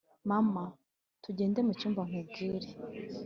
mama: tugende mucyumba nkubwire…